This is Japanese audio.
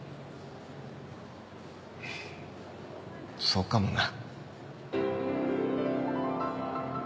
そうかもな。